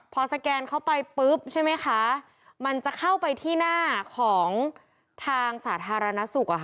พอสแกนเข้าไปปุ๊บใช่ไหมคะมันจะเข้าไปที่หน้าของทางสาธารณสุขอะค่ะ